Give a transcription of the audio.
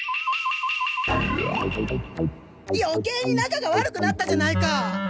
よけいに仲が悪くなったじゃないか！